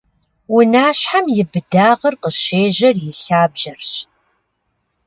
Унащхьэм и быдагъыр къыщежьэр и лъабжьэрщ.